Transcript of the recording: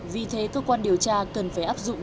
vì thế cơ quan điều tra cần phải áp dụng